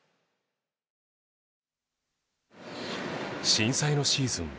震災のシーズン